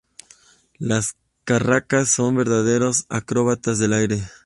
La carracas son verdaderos acróbatas del aire.